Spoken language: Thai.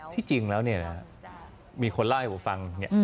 ที่จริงแล้วเนี่ยนะมีคนเล่าให้ผมฟัง